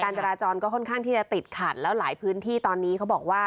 จราจรก็ค่อนข้างที่จะติดขัดแล้วหลายพื้นที่ตอนนี้เขาบอกว่า